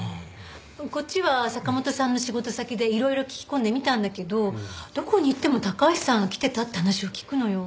こっちは坂本さんの仕事先でいろいろ聞き込んでみたんだけどどこに行っても高橋さんが来てたって話を聞くのよ。